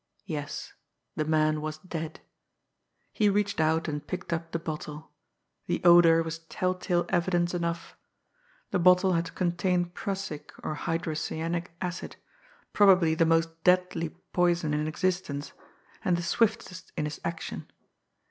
Yes the man was dead He reached out and picked up the bottle. The odour was tell tale evidence enough. The bottle had contained prussic, or hydrocyanic acid, probably the moist deadly poison in existence, and the swiftest in its action.